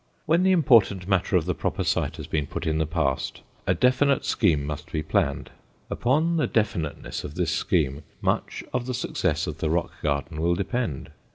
When the important matter of the proper site has been put in the past, a definite scheme must be planned. Upon the definiteness of this scheme, much of the success of the rock garden will depend.